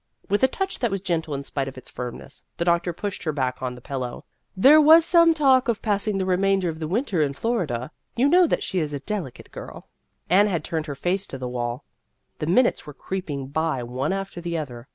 With a touch that was gentle in spite of its firmness, the doctor pushed her back on the pillow. "There was some talk of passing the remainder of the winter in Florida. You know that she is a deli cate girl." Anne had turned her face to the wall. The minutes went creeping by one after the other.